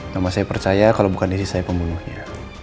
nama saya percaya kalau bukan istri saya pembunuhnya